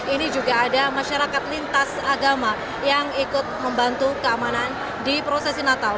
ini juga ada masyarakat lintas agama yang ikut membantu keamanan di prosesi natal